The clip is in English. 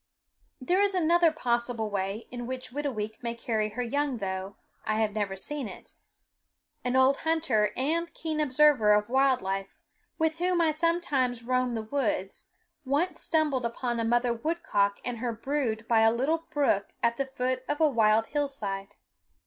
There is another possible way in which Whitooweek may carry her young, though I have never seen it. An old hunter and keen observer of wild life, with whom I sometimes roam the woods, once stumbled upon a mother woodcock and her brood by a little brook at the foot of a wild hillside.